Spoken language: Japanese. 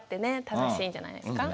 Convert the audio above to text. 楽しいんじゃないですか。